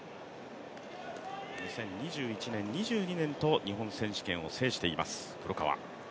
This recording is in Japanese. ２０２１年、２２年と日本選手権を制しています、黒川。